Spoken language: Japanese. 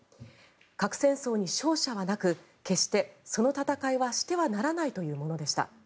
核戦争に勝者はなく決して、その戦いはしてはならないというものでした。